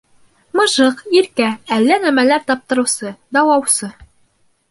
Мыжыҡ, иркә, әллә нәмәләр таптырыусы, даулаусы.